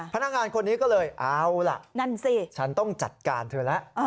พนักงานคนนี้ก็เลยเอาล่ะนั่นสิฉันต้องจัดการเธอแล้ว